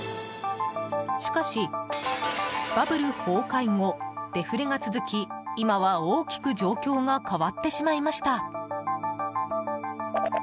しかし、バブル崩壊後デフレが続き今は大きく状況が変わっていました。